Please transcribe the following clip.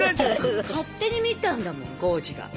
勝手に見たんだもんコウジが。